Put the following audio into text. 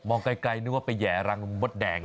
ไกลนึกว่าไปแห่รังมดแดง